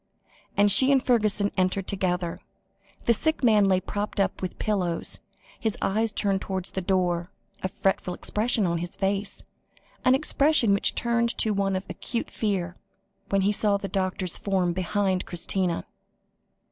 and she and Fergusson entered together. The sick man lay propped up with pillows, his eyes turned towards the door, a fretful expression on his face, an expression which turned to one of acute fear, when he saw the doctor's form behind Christina.